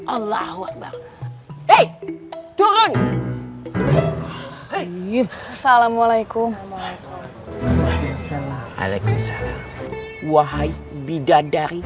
allahu akbar hai turun hai yuk salamualaikum waalaikumsalam waalaikumsalam wahai bidadari